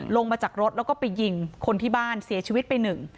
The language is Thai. ลงมาจากรถแล้วก็ไปยิงคนที่บ้านเสียชีวิตไปหนึ่ง